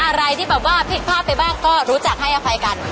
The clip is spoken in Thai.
อะไรที่ผิดภาพไปบ้างก็รู้จักให้อภัยกัน